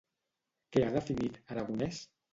Què ha definit Aragonès?